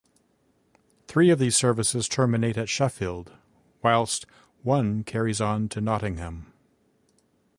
Three of these services terminate at Sheffield whilst one carries on to Nottingham.